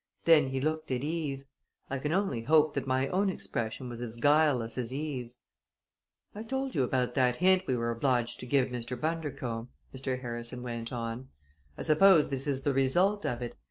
Then he looked at Eve. I can only hope that my own expression was as guileless as Eve's. "I told you about that hint we were obliged to give Mr. Bundercombe," Mr. Harrison went on. "I suppose this is the result of it.